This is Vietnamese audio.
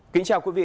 chào các bạn